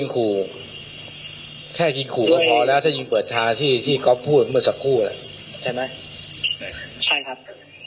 ใช่ยิงขู่ก็พอแล้วถ้ายิงเปิดทางที่ที่ก๊อฟพูดเมื่อสักครู่ใช่ไหมใช่ครับ